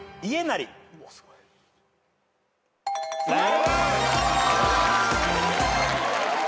正解。